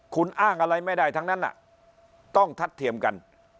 คุณอ้างอะไรไม่ได้ทั้งนั้นต้องทัดเทียมกัน